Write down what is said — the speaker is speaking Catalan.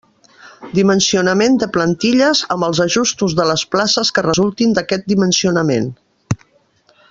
Dimensionament de plantilles, amb els ajustos de les places que resultin d'aquest dimensionament.